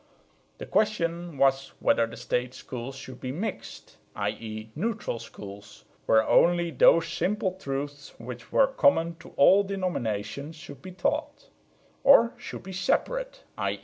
The question was whether the State schools should be "mixed" i.e. neutral schools, where only those simple truths which were common to all denominations should be taught; or should be "separate" i.